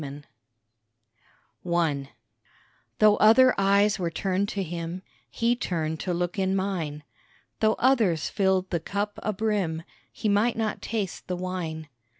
THE BRIDE I Though other eyes were turned to him, He turned to look in mine; Though others filled the cup abrim, He might not taste the wine.